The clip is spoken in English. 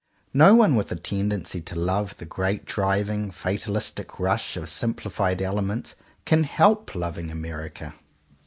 No one with a tendency to love the great driving fatalistic rush of simplified elements, can help loving Amer ica.